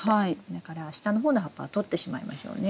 だから下の方の葉っぱはとってしまいましょうね。